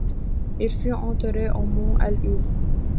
Il fut enterré au mont Lu.